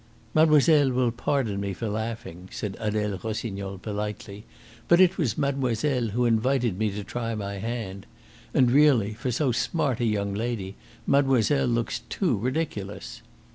"Mademoiselle will pardon me for laughing," said Adele Rossignol politely; "but it was mademoiselle who invited me to try my hand. And really, for so smart a young lady, mademoiselle looks too ridiculous."